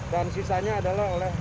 dan sisanya adalah oleh dinas kesehatan